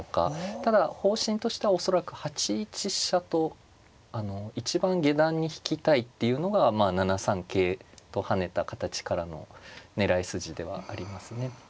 ただ方針としては恐らく８一飛車とあの一番下段に引きたいっていうのが７三桂と跳ねた形からの狙い筋ではありますね。